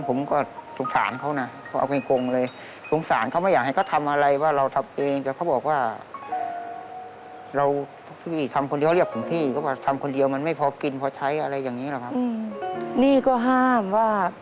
พอถึงมาโรงพยาบาลเห็นเลือดเต็มตัว